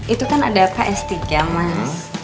itu kan ada ks tiga mas